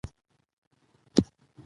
عدل وساتئ.